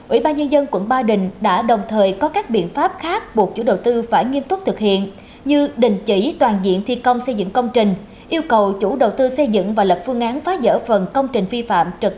ủy ban nhân dân quận ba đình đã đồng thời có các biện pháp khác buộc chủ đầu tư phải nghiêm túc thực hiện như đình chỉ toàn diện thi công xây dựng công trình yêu cầu chủ đầu tư xây dựng và lập phương án phá dỡ phần công trình vi phạm trật tự